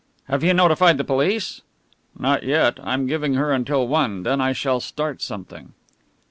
"Have you notified the police?" "Not yet. I'm giving her until one; then I shall start something."